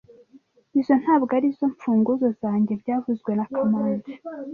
Izo ntabwo arizo mfunguzo zanjye byavuzwe na kamanzi